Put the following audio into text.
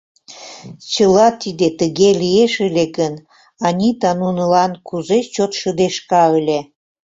Чыла тиде тыге лиеш ыле гын, Анита нунылан кузе чот шыдешка ыле!